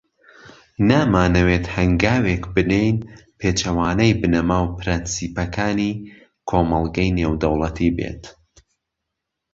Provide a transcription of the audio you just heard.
نامانەوێت هەنگاوێک بنێین، پێچەوانەوەی بنەما و پرەنسیپەکانی کۆمەڵگەی نێودەوڵەتی بێت.